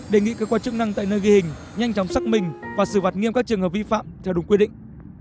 đề nghị cơ quan chức năng tại nơi ghi hình nhanh chóng xác minh và xử vạt nghiêm các trường hợp vi phạm theo đúng quy định